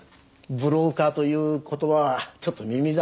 ブローカーという言葉はちょっと耳障りですね。